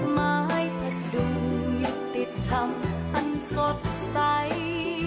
ไม้พัดดุมอยู่ติดทำอันสดใส